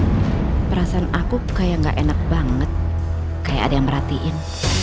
karena perasaan aku kayak gak enak banget kayak ada yang merhatiin